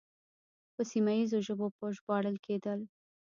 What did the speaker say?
په سیمه ییزو ژبو ژباړل کېدل